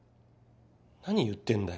何言ってんだよ